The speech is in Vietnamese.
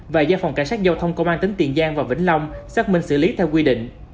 và do phòng cảnh sát giao thông công an tỉnh tiền giang và vĩnh long xác minh xử lý theo quy định